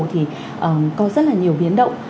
thì có rất là nhiều biến động